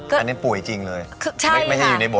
อันนี้ป่วยจริงเลย